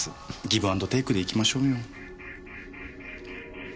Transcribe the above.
ギブアンドテイクでいきましょうよ。